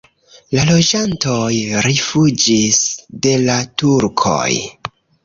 La loĝantoj rifuĝis de la turkoj.